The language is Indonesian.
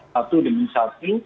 satu demi satu